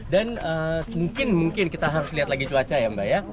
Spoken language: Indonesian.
dan mungkin mungkin kita harus lihat lagi cuaca ya mbak ya